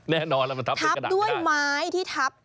แน่นอนล่ะทัพด้วยไม้ที่ทัพ